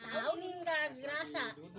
tahu ini enggak derasa